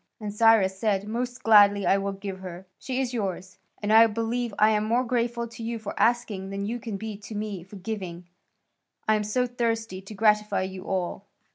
And Cyrus said, "Most gladly I will give her; she is yours. And I believe I am more grateful to you for asking than you can be to me for giving; I am so thirsty to gratify you all."